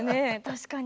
確かに。